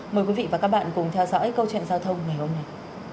mời quý vị và các bạn cùng theo dõi câu chuyện giao thông ngày hôm nay